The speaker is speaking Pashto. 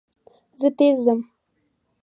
زه تېز ځم.